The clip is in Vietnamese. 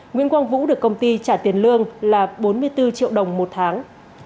nguyễn quang vũ được công ty trả tiền lương là bốn mươi bốn triệu đồng một tháng